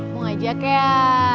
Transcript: mau ngajak ya